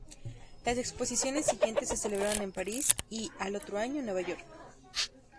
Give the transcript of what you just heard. Las exposiciones siguientes se celebraron en París y, al otro año, en Nueva York.